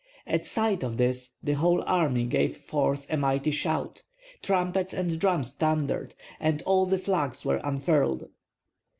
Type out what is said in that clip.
At sight of this the whole army gave forth a mighty shout; trumpets and drums thundered, and all the flags were unfurled.